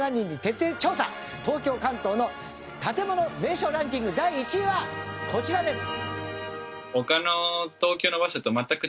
東京・関東の建もの名所ランキング第１位はこちらです。